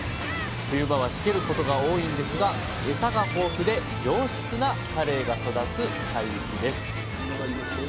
冬場はしけることが多いんですがエサが豊富で上質なカレイが育つ海域です